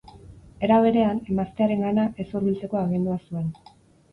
Era berean, emaztearengana ez hurbiltzeko agindua zuen.